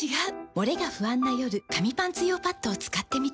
モレが不安な夜紙パンツ用パッドを使ってみた。